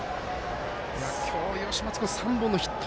今日、吉松君３本のヒット。